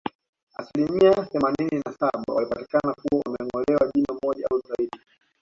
Asilimia themanini na saba walipatikana kuwa wamengolewa jino moja au zaidi